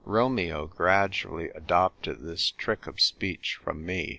Romeo gradually adopted this trick of speech from me.